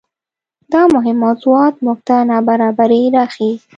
دا مهم موضوعات موږ ته نابرابرۍ راښيي.